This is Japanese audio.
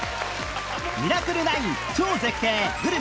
『ミラクル９』超絶景グルメ